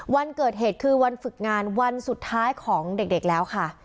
วันเกิดเหตุคือวันฝึกงานวันสุดท้ายของเด็กแล้วค่ะ